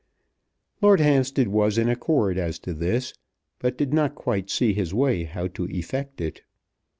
Lord Hampstead was in accord as to this, but did not quite see his way how to effect it.